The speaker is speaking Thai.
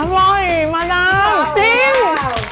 อร่อยมะนาวจริง